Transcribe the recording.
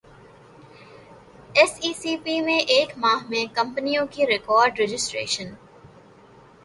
S E C P میں ایک ماہ میں کمپنیوں کی ریکارڈرجسٹریشن